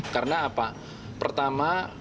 karena apa pertama